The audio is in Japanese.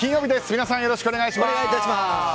皆さん、よろしくお願い致します。